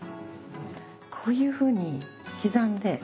こういうふうに刻んで。